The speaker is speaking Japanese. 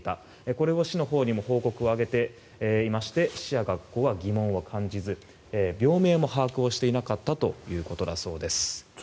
これを市のほうにも報告を上げていまして市や学校は疑問を感じず病名も把握をしていなかったということだそうです。